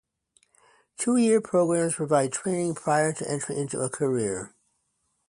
Two-year programs provide training prior to entry into a career.